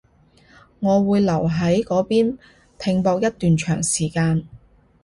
我會留喺嗰邊拼搏一段長時間